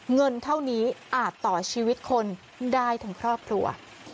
เงินเท่านี้อาจต่อชีวิตคนได้ทั้งครอบครัว